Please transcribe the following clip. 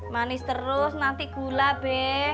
manis terus nanti gula be